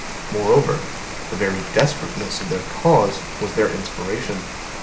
Moreover, the very desperateness of the cause was their inspiration.